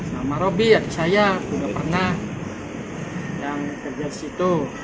sama robi ya di saya udah pernah yang kerja di situ